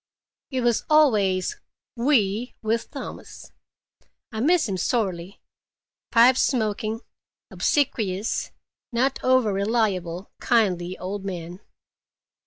It was always "we" with Thomas; I miss him sorely; pipe smoking, obsequious, not over reliable, kindly old man!